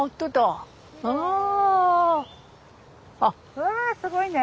うわあすごいね。